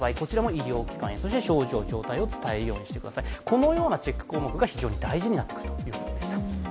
このようなチェック項目が非常に大事になってくるということでした。